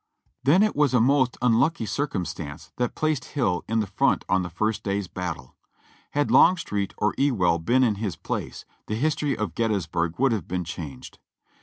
Then it was a most unlucky circumstance that placed Hill in the front on the first day's battle. Had Longstreet or Ewell been in his place, the history of Gettysburg would have been changed.